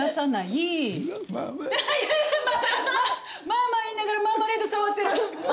「まあまあ」言いながらマーマレード触ってる。